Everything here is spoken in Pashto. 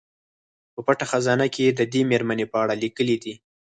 په پټه خزانه کې یې د دې میرمنې په اړه لیکلي دي.